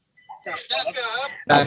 ya terima kasih pak troy